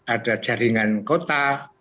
ada jaringan kota